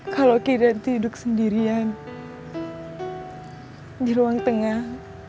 kalau kinanti hidup sendirian di ruang tengah